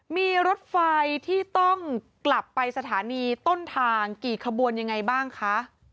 มีรถไฟที่ต้องกลับไปสถานีต้นทางกี่ขบวนยังไงบ้างคะ